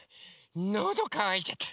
のどかわいちゃった。